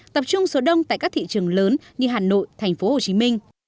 tập trung số đông tại các thị trường lớn như hà nội tp hcm